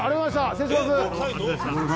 失礼します。